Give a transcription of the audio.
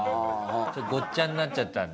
ごっちゃになっちゃったんだ。